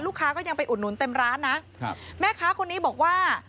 ก็ยังไปอุดหนุนเต็มร้านนะครับแม่ค้าคนนี้บอกว่า